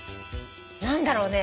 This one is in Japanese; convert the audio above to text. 何だろうね。